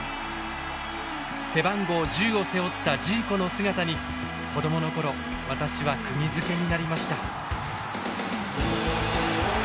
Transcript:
背番号１０を背負ったジーコの姿に子どもの頃私はくぎづけになりました。